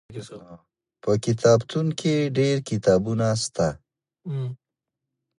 په کتابتون کي ډېر کتابونه سته.